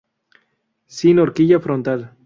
Sin horquilla frontal.